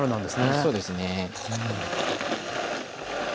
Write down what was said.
そうですね。